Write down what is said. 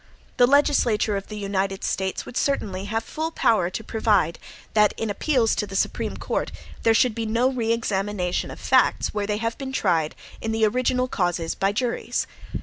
The legislature of the United States would certainly have full power to provide, that in appeals to the Supreme Court there should be no re examination of facts where they had been tried in the original causes by juries.